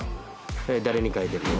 誰に書いてるの？